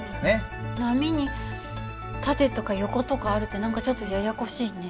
波に縦とか横とかあるって何かちょっとややこしいね。